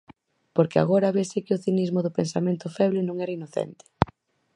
Porque agora vese que o cinismo do pensamento feble non era inocente.